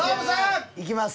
いきます